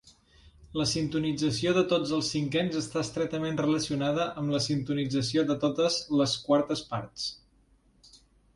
La sintonització de tots els cinquens està estretament relacionada amb la sintonització de totes les quartes parts.